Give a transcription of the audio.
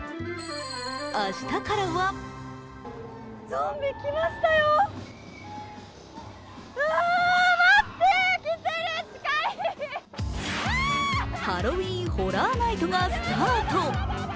明日からはハロウィーン・ホラー・ナイトがスタート。